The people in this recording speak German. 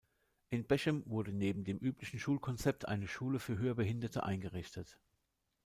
In Bechem wurde neben dem üblichen Schulkonzept eine Schule für Hörbehinderte eingerichtet.